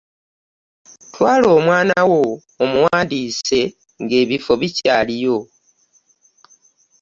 Twala omwana wo omuwandiise ng'ebifo bikyaliyo.